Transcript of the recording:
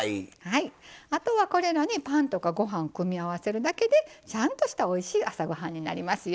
あとはこれらにパンとかご飯を組み合わせるだけでちゃんとしたおいしい朝ごはんになりますよ。